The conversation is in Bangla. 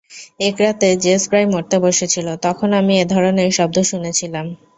এক রাতে জেস প্রায় মরতে বসেছিল, তখনও আমি এ ধরনের শব্দ শুনেছিলাম।